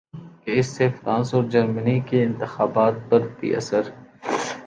کہ اس سے فرانس ا ور جرمنی کے انتخابات پر بھی اثر